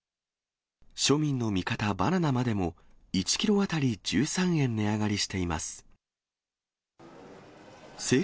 庶民の味方、バナナまでも、１キロ当たり１３円値上がりしています。